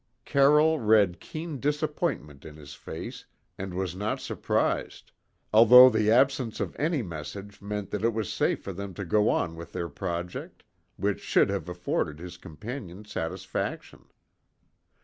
Carroll read keen disappointment in his face, and was not surprised, although the absence of any message meant that it was safe for them to go on with their project, which should have afforded his companion satisfaction.